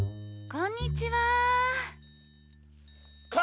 こんにちは！